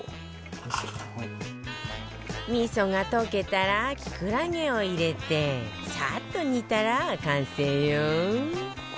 味噌が溶けたらキクラゲを入れてサッと煮たら完成よ